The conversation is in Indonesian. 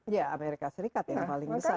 ya amerika serikat yang paling besar